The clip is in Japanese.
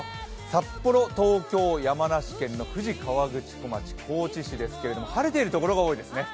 札幌、東京、山梨県の富士河口湖町、そして高知市ですけれども、晴れているところが多いですね。